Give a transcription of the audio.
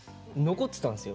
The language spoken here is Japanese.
残ってたんですよ